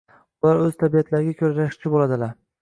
Bolalar o‘z tabiatlariga ko‘ra rashkchi bo‘ladilar.